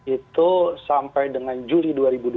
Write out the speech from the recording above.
itu sampai dengan juli dua ribu dua puluh